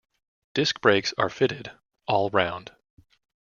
Disc brakes are fitted all round.